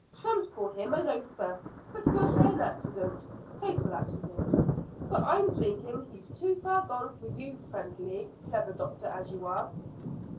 Some'd call him a loafer, but we'll say accident fatal accident, for I'm thinking he's too far gone for you, friend Lee, clever doctor as you are."